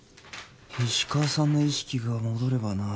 石川さんの意識が戻ればなあ